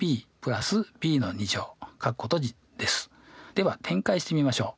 では展開してみましょう。